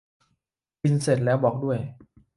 กินเสร็จแล้วบอกด้วย